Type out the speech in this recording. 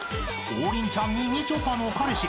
［王林ちゃんにみちょぱの彼氏］